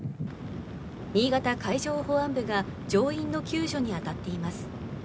新潟海上保安部が乗員の救助にあたっています。